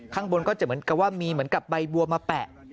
ข้างบนก็จะเหมือนกับว่ามีเหมือนกับใบบัวมาแปะ